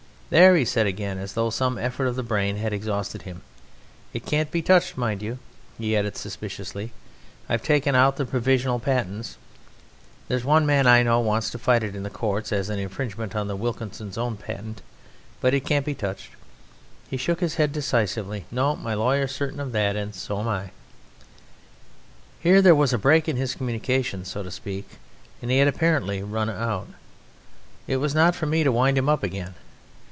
"There!" he said again, as though some effort of the brain had exhausted him. "It can't be touched, mind you," he added suspiciously; "I've taken out the provisional patents. There's one man I know wants to fight it in the courts as an infringement on Wilkinson's own patent, but it can't be touched!" He shook his head decisively. "No! my lawyer's certain of that and so'm I!" Here there was a break in his communications, so to speak, and he had apparently run out. It was not for me to wind him up again.